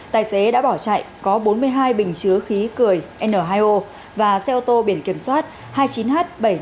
tài xế đã bỏ chạy có bốn mươi hai bình chứa khí cởi n hai o và xe ô tô biển kiểm soát hai mươi chín h bảy mươi năm nghìn năm trăm linh tám